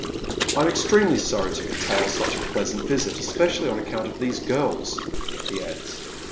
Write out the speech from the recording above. " I am extremely sorry to curtail such a pleasant visit, espe cially on account of these girls," he adds.